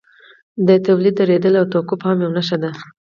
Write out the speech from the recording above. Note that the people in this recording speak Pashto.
د تولید درېدل او توقف هم یوه نښه ده